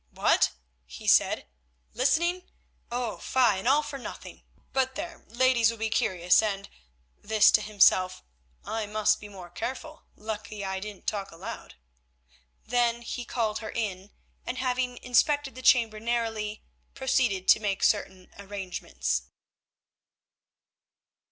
"What!" he said, "listening, oh, fie! and all for nothing. But there, ladies will be curious and"—this to himself—"I must be more careful. Lucky I didn't talk aloud." Then he called her in, and having inspected the chamber narrowly, proceeded to make certain arrangements.